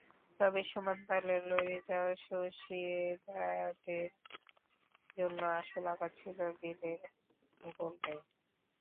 তবে সমানতালে লড়ে যাওয়া সোসিয়েদাদের জন্য আসল আঘাত ছিল বেলের গোলটাই।